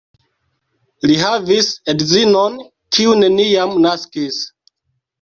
Li havis edzinon, kiu neniam naskis.